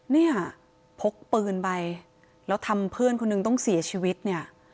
เนี่ยพกปืนไปแล้วทำเพื่อนคนหนึ่งต้องเสียชีวิตเนี่ย